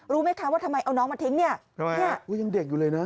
รู้ไหมคะว่าทำไมเอาน้องมาทิ้งเนี่ยทำไมยังเด็กอยู่เลยนะ